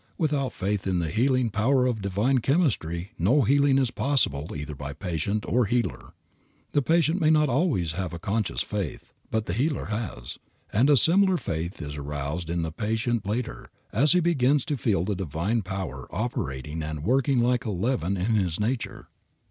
Without faith in the healing power of Divine chemistry no healing is possible either by patient or healer. The patient may not always have a conscious faith, but the healer has, and a similar faith is aroused in the patient later, as he begins to feel the divine healing power operating and working like a leaven in his nature.